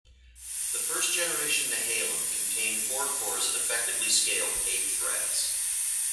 The first generation Nehalem contained four cores and effectively scaled eight threads.